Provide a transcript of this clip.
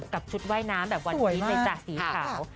กับชุดว่ายน้ำแบบวันพีชเลยจ้ะสีขาว